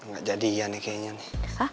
gak jadian ya kayaknya nih